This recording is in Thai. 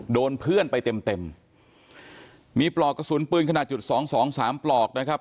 โดนเพื่อนไปเต็มเต็มมีปลอกกระสุนปืนขนาดจุดสองสองสามปลอกนะครับ